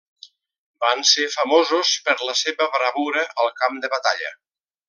Van ser famosos per la seva bravura al camp de batalla.